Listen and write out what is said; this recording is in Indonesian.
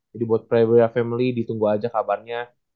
jadi buat prawira family ditunggu aja kabarnya